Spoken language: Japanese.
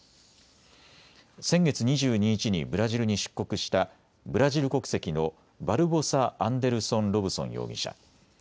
先月２２日にブラジルに出国したブラジル国籍のバルボサ・アンデルソン・ロブソン容疑者。